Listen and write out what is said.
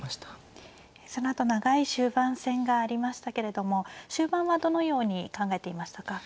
そのあと長い終盤戦がありましたけれども終盤はどのように考えていましたか？